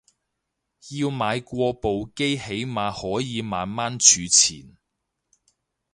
要買過部機起碼可以慢慢儲錢